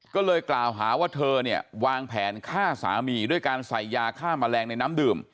ก็เลยกล่าวหาว่าเธอเนี่ยวางแผนฆ่าสามีด้วยการใส่ยาฆ่าแมลงในน้ำดื่ม